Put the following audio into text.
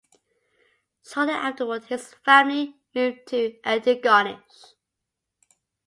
Shortly afterward, his family moved to Antigonish.